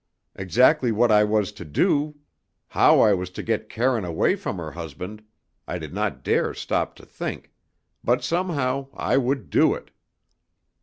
Exactly what I was to do, how I was to get Karine away from her husband, I did not dare stop to think, but somehow I would do it.